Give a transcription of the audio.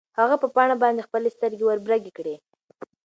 هغه په پاڼه باندې خپلې سترګې وربرګې کړې.